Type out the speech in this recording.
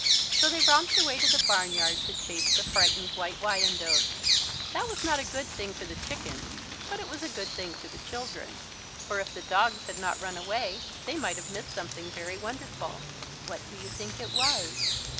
So they romped away to the barnyard to chase the frightened White Wyandottes. That was not a good thing for the chickens but it was a good thing for the children. For if the dogs had not run away they might have missed something very wonderful. What do you think it was?